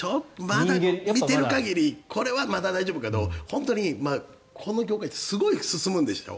まだ見ている限りこれはまだ大丈夫だけど本当にこの業界ってすごい進むんでしょ？